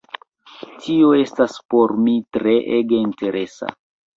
Tio estas por mi treege interesa.